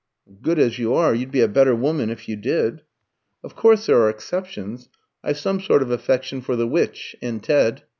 "Good as you are, you'd be a better woman if you did." "Of course there are exceptions. I've some sort of affection for the Witch and Ted."